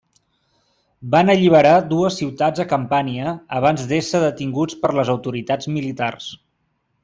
Van alliberar dues ciutats a Campània abans d'ésser detinguts per les autoritats militars.